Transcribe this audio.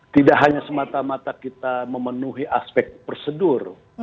tidak hanya semata mata kita memenuhi aspek prosedur